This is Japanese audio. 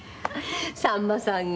さんまさんが。